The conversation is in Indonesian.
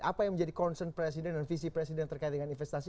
apa yang menjadi concern presiden dan visi presiden terkait dengan investasi